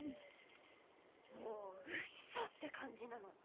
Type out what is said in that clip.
もううっそって感じなの。